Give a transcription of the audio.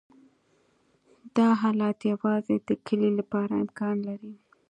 دا حالت یوازې د کلې لپاره امکان لري